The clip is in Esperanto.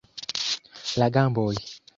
La gamboj.